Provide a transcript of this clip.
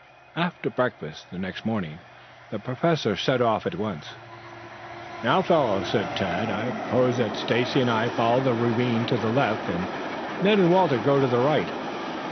After breakfast the next morning the Professor set off at once. "Now, fellows," said Tad, "I propose that Stacy and I follow that ravine to the left and Ned and Walter go to the right.